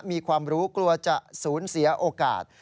มีความรู้กลัวจะสูญเสียโอกาส